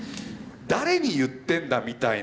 誰に言ってんだみたいな。